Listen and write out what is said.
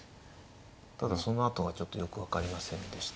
ただそのあとがちょっとよく分かりませんでしたが。